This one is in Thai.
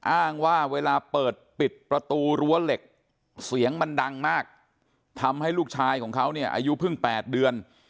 อ้างว่าเวลาเปิดปิดประตูรั้วเหล็กเสียงมันดังมากทำให้ลูกชายของเขาเนี่ยอายุเพิ่ง๘เดือน